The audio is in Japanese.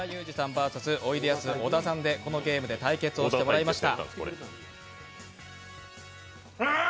ＶＳ小田さんでこのゲーム対決してもらいました。